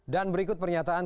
dan berikut pernyataan